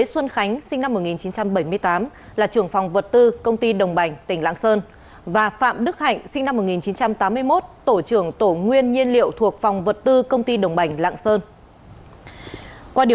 xin chào và hẹn gặp lại